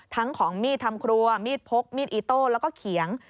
ของมีดทำครัวมีดพกมีดอิโต้แล้วก็เขียง